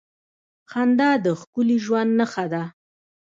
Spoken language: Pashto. • خندا د ښکلي ژوند نښه ده.